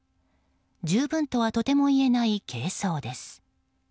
十分とはとても言えない軽装です。